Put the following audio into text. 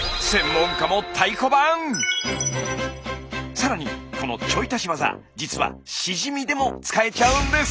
更にこのちょい足しワザ実はシジミでも使えちゃうんです！